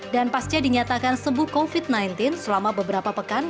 pasca dinyatakan sembuh covid sembilan belas selama beberapa pekan